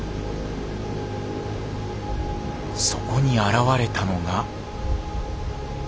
そこに現れたのが。